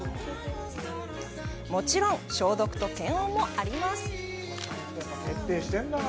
もちろん、消毒と検温もあります。